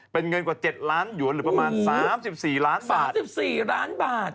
เป็นเงินกว่า๗ล้านหรือประมาณ๓๔ล้านบาท